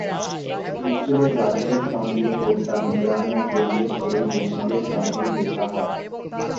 স্কুলে যাদের সঙ্গে পড়তাম, গ্রামে গেলে সেই বন্ধুদের সঙ্গে দেখা হয়।